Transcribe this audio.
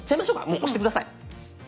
もう押して下さい。